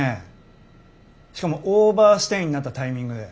しかもオーバーステイになったタイミングで。